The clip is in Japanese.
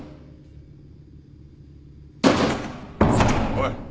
おい。